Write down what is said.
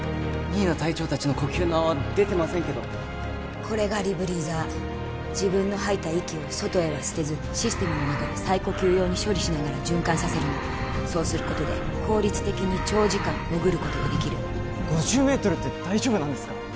新名隊長達の呼吸の泡出てませんけどこれがリブリーザー自分の吐いた息を外へは捨てずシステムの中で再呼吸用に処理しながら循環させるのそうすることで効率的に長時間潜ることができる５０メートルって大丈夫なんですか？